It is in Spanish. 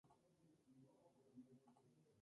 Esperamos la buena noticia!